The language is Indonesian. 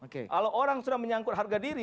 kalau orang sudah menyangkut harga diri